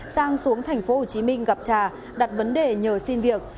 sang xuống tp hcm gặp trà đặt vấn đề nhờ xin việc